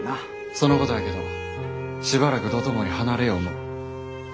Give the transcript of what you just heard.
そのことやけどしばらく道頓堀離れよう思う。